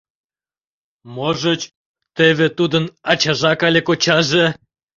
Можыч, тӧвӧ тудын ачажак але кочаже.